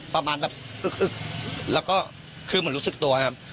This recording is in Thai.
ประมาณแบบอึกอึกแล้วก็คือเหมือนรู้สึกตัวครับ